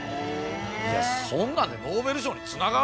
いやそんなんでノーベル賞につながる？